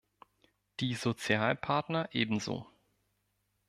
Die Sozialpartner ebenso.